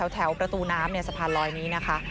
แถวประตูน้ำสะพานลอยนี้นะคะ